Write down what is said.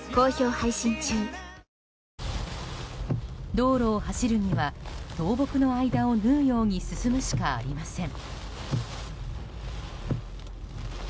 道路を走るには倒木の間を縫うように進むしかありません。